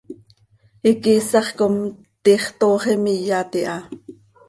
Iquiisax com, tiix toox imiyat iha.